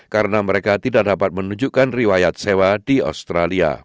karena mereka tidak dapat menunjukkan riwayat sewa di australia